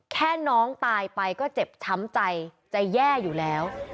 แค่น้องตายไปก็เจ็บช้ำใจจะแย่อยู่แล้ว